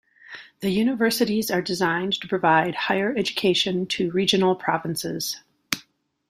The universities are designed to provide higher education to regional provinces.